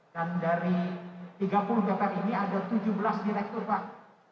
dan dari tiga puluh dokter ini ada tujuh belas direktur pak